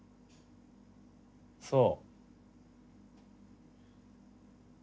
そう。